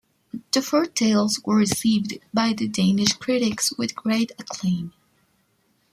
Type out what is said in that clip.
The four tales were received by the Danish critics with great acclaim.